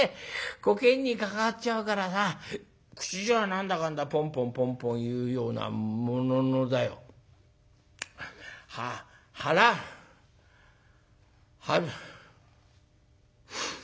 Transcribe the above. こけんに関わっちゃうからさ口じゃ何だかんだポンポンポンポン言うようなもののだよは腹は腹ん中じゃね